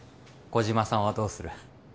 小島さんはどうする？